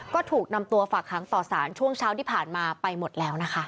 ก็ถูกนำตัวฝากหางต่อสารช่วงเช้าที่ผ่านมาไปหมดแล้วนะคะ